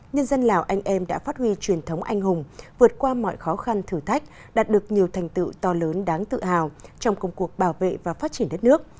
nhân dân lào anh em đã phát huy truyền thống anh hùng vượt qua mọi khó khăn thử thách đạt được nhiều thành tựu to lớn đáng tự hào trong công cuộc bảo vệ và phát triển đất nước